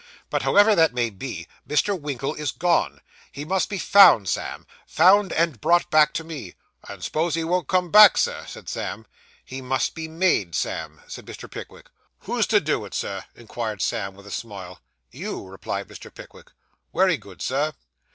But however that may be, Mr. Winkle is gone. He must be found, Sam. Found and brought back to me.' And s'pose he won't come back, Sir?' said Sam. 'He must be made, Sam,' said Mr. Pickwick. 'Who's to do it, Sir?' inquired Sam, with a smile. 'You,' replied Mr. Pickwick. 'Wery good, Sir.